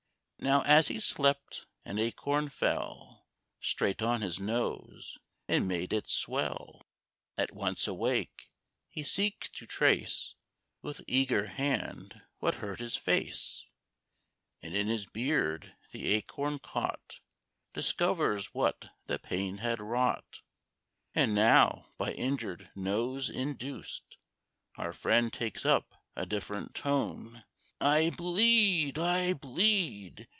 Now, as he slept, an Acorn fell Straight on his nose, and made it swell. At once awake, he seeks to trace With eager hand what hurt his face, And in his beard the Acorn caught, Discovers what the pain had wrought. And now, by injured nose induced, Our friend takes up a different tone "I bleed, I bleed!"